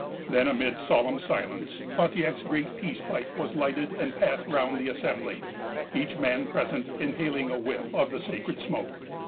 Then, amid solemn silence, Pontiac's great peace pipe was lighted and passed round the assembly, each man present inhaling a whiff of the sacred smoke.